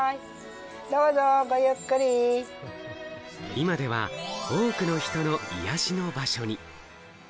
今では多くの人の癒やしの場所に。